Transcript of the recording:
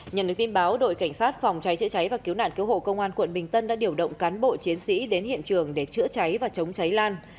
nhận được tin báo đội cảnh sát phòng cháy chữa cháy và cứu nạn cứu hộ công an quận bình tân đã điều động cán bộ chiến sĩ đến hiện trường để chữa cháy và chống cháy lan